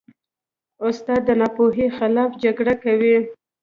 استاد د ناپوهۍ خلاف جګړه کوي.